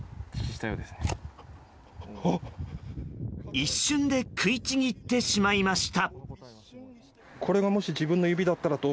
一瞬で食いちぎってしまいました。